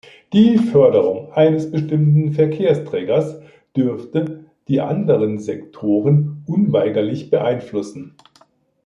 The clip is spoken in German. Die Förderung eines bestimmten Verkehrsträgers dürfte die anderen Sektoren unweigerlich beeinflussen.